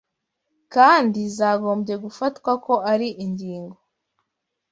kandi zagombye gufatwa ko ari ingingo